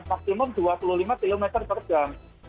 maksimum dua puluh lima km per jam